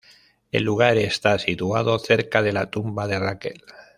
El lugar está situado cerca de la tumba de Raquel.